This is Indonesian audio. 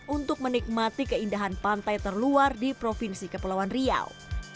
untuk menikmati keindahan pantai terluar di provinsi kepulauan riau